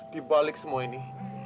di balik semua ini